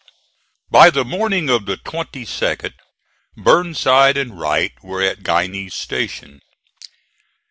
By the morning of the 22d Burnside and Wright were at Guiney's Station.